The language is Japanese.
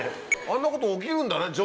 あんなこと起きるんだね。